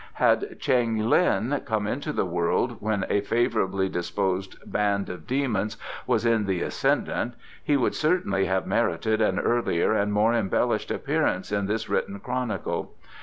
Had Cheng Lin come into the world when a favourably disposed band of demons was in the ascendant he would certainly have merited an earlier and more embellished appearance in this written chronicle.